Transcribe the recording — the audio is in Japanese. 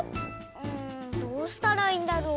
んどうしたらいいんだろう？